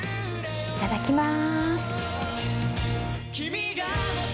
いただきます。